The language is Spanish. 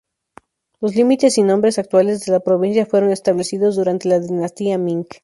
Los límites y nombre actuales de la provincia fueron establecidos durante la dinastía Ming.